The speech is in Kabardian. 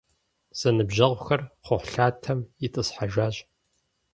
Зэныбжьэгъухэр кхъухьлъатэм итӏысхьэжащ.